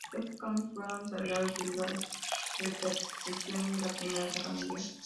Estos cambios fueron acelerados debido a las repercusiones de la Primera Guerra Mundial.